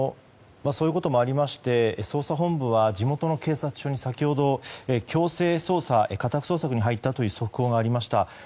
そういうこともありまして捜査本部は地元の警察署に先ほど強制捜査、家宅捜索に入ったという速報がありました。